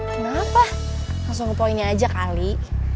kenapa langsung ke poinnya aja kali